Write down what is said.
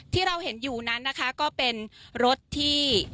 ที่เราเห็นอยู่นั้นนะคะก็เป็นรถที่